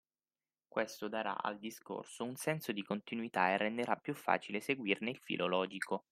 Questo darà al discorso un senso di continuità e renderà più facile seguirne il filo logico.